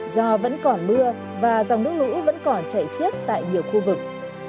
do vẫn còn mưa và dòng nước lũ vẫn còn chảy xiết tại nhiều khu vực